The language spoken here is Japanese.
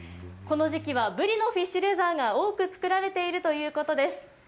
この時期はブリのフィッシュレザーが多く作られているということです。